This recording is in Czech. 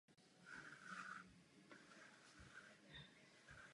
Máte slovo.